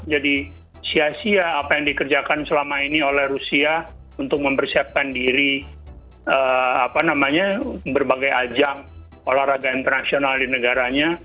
jadi sia sia apa yang dikerjakan selama ini oleh rusia untuk mempersiapkan diri berbagai ajang olahraga internasional di negaranya